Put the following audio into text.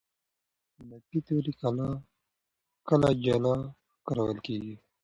نفي توري کله جلا کارول کېږي.